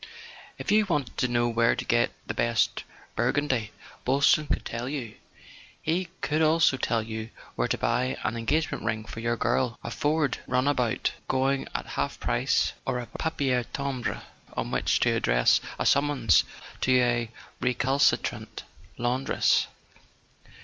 If you wanted to know where to get the best Burgundy, Boylston could tell you; he could also tell you where to buy an engagement ring for your girl, a Ford run¬ about going at half price, or the papier timbre on which to address a summons to a recalcitrant laundress.